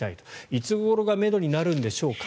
いつ頃がめどになるのでしょうか。